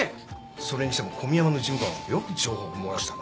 それにしても小宮山の事務官はよく情報漏らしたな。